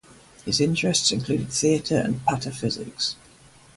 His interests included theatre and 'pataphysics.